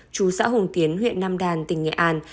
chú xã hùng tiến huyện nam đàn tỉnh nghệ an